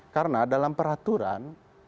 karena dalam peraturan